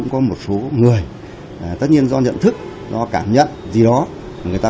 chúng tôi nói là